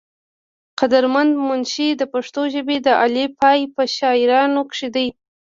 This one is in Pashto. قدر مند منشي د پښتو ژبې د اعلى پائي پۀ شاعرانو کښې دے ۔